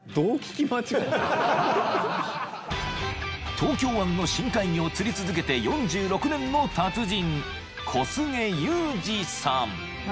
［東京湾の深海魚を釣り続けて４６年の達人］